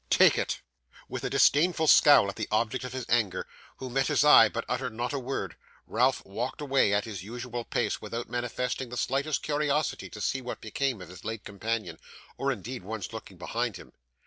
Take it.' With a disdainful scowl at the object of his anger, who met his eye but uttered not a word, Ralph walked away at his usual pace, without manifesting the slightest curiosity to see what became of his late companion, or indeed once looking behind him.